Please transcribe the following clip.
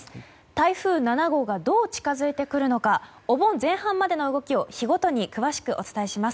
台風７号がどう近づいてくるのかお盆前半までの動きを日ごとに詳しくお伝えします。